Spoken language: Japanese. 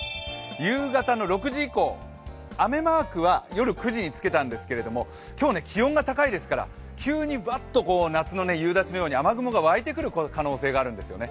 夕方の６時以降、雨マークは夜９時につけたんですけれども、今日は気温が高いですから急にバッと夏の夕立のように雨雲が湧いてくる可能性があるんですよね。